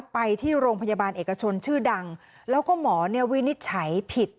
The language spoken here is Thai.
ไปที่โรงพยาบาลเอกชนชื่อดังแล้วก็หมอเนี่ยวินิจฉัยผิด